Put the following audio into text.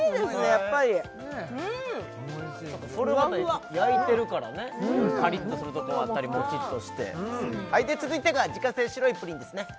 やっぱりそっかそれは焼いてるからねカリッとするとこもあったりモチッとしてはいで続いてが自家製白いプリンですね